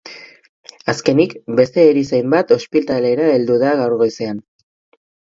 Azkenik, beste erizain bat ospitalera heldu da gaur goizean.